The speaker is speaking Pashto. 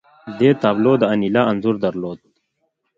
دې تابلو د انیلا انځور درلود